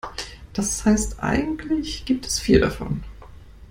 Das heißt, eigentlich gibt es vier davon.